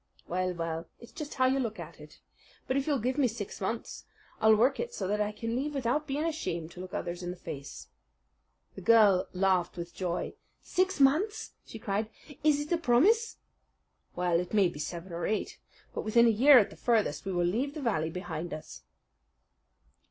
"Well, well, it's just how you look at it. But if you'll give me six months, I'll work it so that I can leave without being ashamed to look others in the face." The girl laughed with joy. "Six months!" she cried. "Is it a promise?" "Well, it may be seven or eight. But within a year at the furthest we will leave the valley behind us."